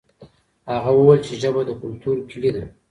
هغه وویل چې ژبه د کلتور کلي ده.